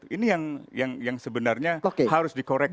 ini yang sebenarnya harus dikoreksi